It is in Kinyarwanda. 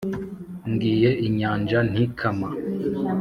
mbwiye inyanja nti «kama,